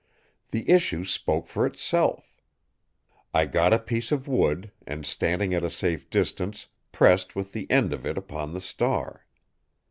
The issue spoke for itself. I got a piece of wood, and, standing at a safe distance, pressed with the end of it upon the star.